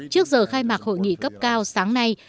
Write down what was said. trước giờ khai mạc hội nghị cấp cao sáng nay